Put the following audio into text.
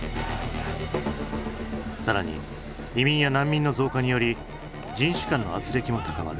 更に移民や難民の増加により人種間のあつれきも高まる。